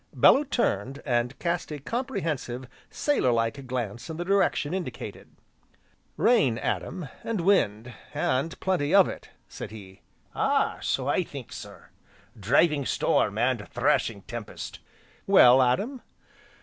Bellew turned, and cast a comprehensive, sailor like glance in the direction indicated. "Rain, Adam, and wind, and plenty of it!" said he. "Ah! so I think, sir, driving storm, and thrashing tempest!" "Well, Adam?"